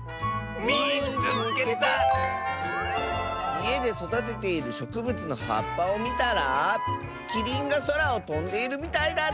「いえでそだてているしょくぶつのはっぱをみたらキリンがそらをとんでいるみたいだった！」。